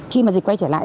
khi mà dịch quay trở lại